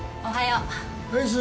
おはよう。